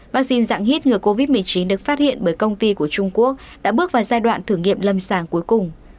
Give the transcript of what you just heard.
vaccine dạng hít ngừa covid một mươi chín được phát hiện bởi công ty của trung quốc đã bước vào giai đoạn thử nghiệm lâm sàng cuối cùng